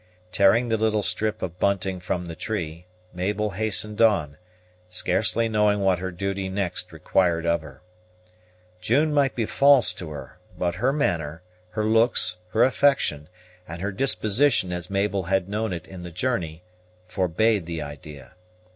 Tearing the little strip of bunting from the tree, Mabel hastened on, scarcely knowing what her duty next required of her. June might be false to her, but her manner, her looks, her affection, and her disposition as Mabel had known it in the journey, forbade the idea.